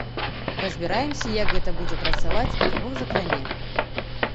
Разбіраемся, як гэта будзе працаваць і каго закране.